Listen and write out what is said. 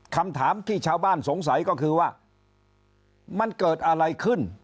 คำถามที่ชาวบ้านสงสัยก็คือว่ามันเกิดอะไรขึ้น